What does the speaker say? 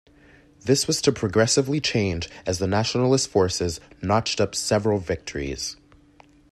This was to progressively change as the Nationalist forces notched up several victories.